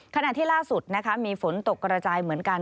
ขณะที่ล่าสุดมีฝนตกกระจายเหมือนกัน